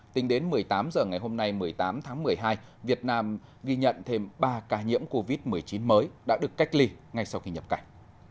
tính đến một mươi tám h ngày hôm nay một mươi tám tháng một mươi hai việt nam ghi nhận thêm ba ca nhiễm covid một mươi chín mới đã được cách ly ngay sau khi nhập cảnh